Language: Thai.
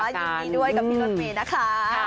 ยินดีด้วยกับพี่รถเมย์นะคะ